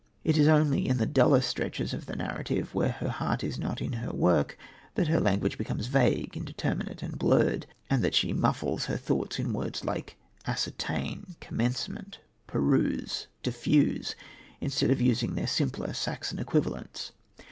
It is only in the duller stretches of the narrative, when her heart is not in her work, that her language becomes vague, indeterminate and blurred, and that she muffles her thoughts in words like "ascertain," "commencement," "peruse," "diffuse," instead of using their simpler Saxon equivalents.